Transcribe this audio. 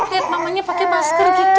takut liat mamanya pake masker gitu